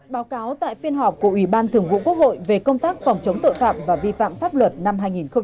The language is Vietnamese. báo cáo tại phiên họp của ủy ban thường vụ quốc hội về công tác phòng chống tội phạm và vi phạm pháp luật năm hai nghìn một mươi chín